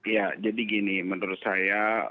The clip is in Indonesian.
ya jadi gini menurut saya